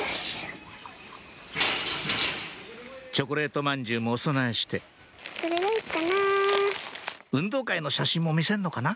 チョコレートまんじゅうもお供えして運動会の写真も見せるのかな？